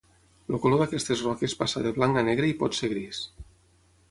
El color d'aquestes roques passa de blanc a negre i pot ser gris.